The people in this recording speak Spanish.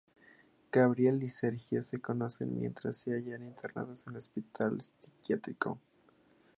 Gabriel y Sergio se conocen mientras se hallan internados en un hospital psiquiátrico.